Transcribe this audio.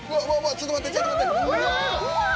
ちょっと待ってちょっと待って！